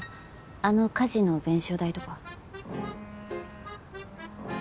あの火事の弁償代とか？